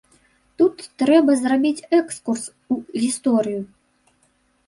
Тут трэба зрабіць экскурс у гісторыю.